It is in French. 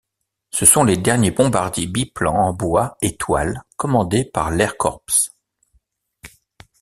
Ce sont les derniers bombardiers biplans en bois et toile commandés par l'Air Corps.